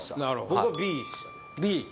僕はＢでしたＢ？